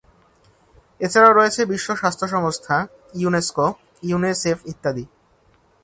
এছাড়াও রয়েছে বিশ্ব স্বাস্থ্য সংস্থা, ইউনেস্কো, ইউনিসেফ ইত্যাদি।